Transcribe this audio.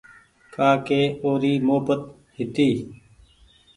ڪآ ڪي اوري محبت هيتي